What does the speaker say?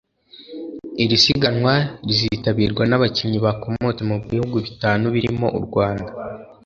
Iri siganwa rizitabirwa n’abakinnyi bakomoka mu bihugu bitanu birimo u Rwanda